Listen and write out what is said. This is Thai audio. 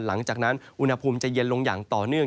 หลังจากนั้นอุณหภูมิจะเย็นลงอย่างต่อเนื่อง